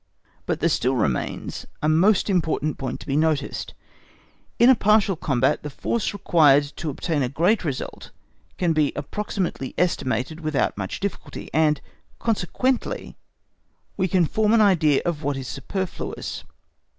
But there still remains a most important point to be noticed. In a partial combat, the force required to obtain a great result can be approximately estimated without much difficulty, and, consequently, we can form an idea of what is superfluous.